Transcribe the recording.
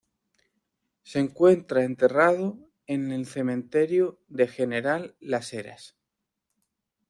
Se encuentra enterrado en el cementerio de General Las Heras.